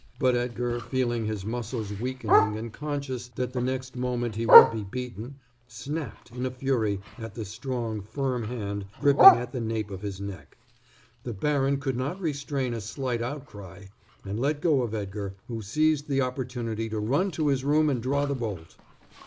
But Edgar, feeling his muscles weakening and conscious that the next moment he would be beaten, snapped, in a fury, at the strong, firm hand gripping at the nape of his neck. The baron could not restrain a slight outcry, and let go of Edgar, who seized the opportunity to run to his room and draw the bolt.